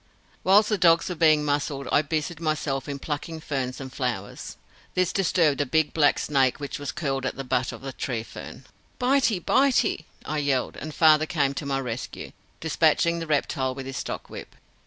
Whilst the dogs were being muzzled, I busied myself in plucking ferns and flowers. This disturbed a big black snake which was curled at the butt of a tree fern. "Bitey! bitey!" I yelled, and father came to my rescue, despatching the reptile with his stock whip.